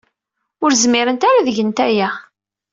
Ur zmirent ara ad gent aya.